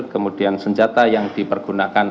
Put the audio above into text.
kemudian senjata yang dipergunakan